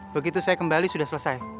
begitu saya kembali sudah selesai